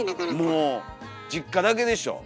もう実家だけでしょ。